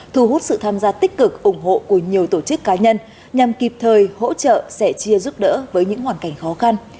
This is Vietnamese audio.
thu hút sự tham gia tích cực ủng hộ của nhiều tổ chức cá nhân nhằm kịp thời hỗ trợ sẻ chia giúp đỡ với những hoàn cảnh khó khăn